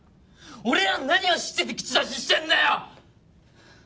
俺らの何を知ってて口出ししてんだよ！